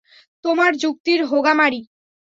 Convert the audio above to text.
তোমার যুক্তির হোগা মারি।